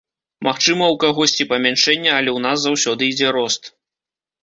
Магчыма, у кагосьці памяншэнне, але ў нас заўсёды ідзе рост.